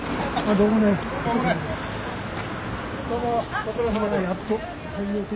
どうもご苦労さまです。